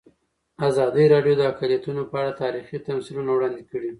ازادي راډیو د اقلیتونه په اړه تاریخي تمثیلونه وړاندې کړي.